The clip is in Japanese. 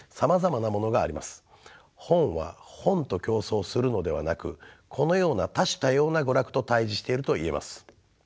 本は本と競争するのではなくこのような多種多様な娯楽と対じしているといえます。